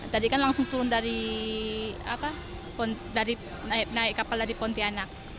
tadi kan langsung turun dari naik kapal dari pontianak